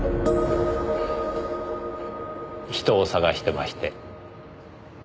人を捜してまして。